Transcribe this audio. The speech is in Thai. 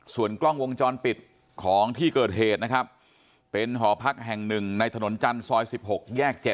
ส่วนกล้องวงจรปิดของที่เกิดเหตุนะครับเป็นหอพักแห่ง๑ในถนนจันทร์ซอย๑๖แยก๗